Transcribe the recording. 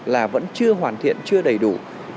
là vẫn chưa hoàn thiện chưa đầy đủ